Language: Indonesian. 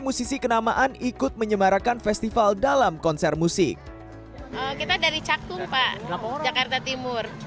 posisi kenamaan ikut menyemarakan festival dalam konser musik kita dari caktum pak jakarta timur